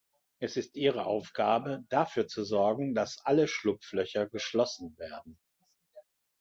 Es ist Ihre Aufgabe, dafür zu sorgen, dass alle Schlupflöcher geschlossen werden.